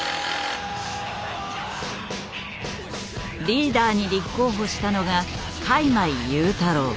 リーダーに立候補したのが開米雄太郎。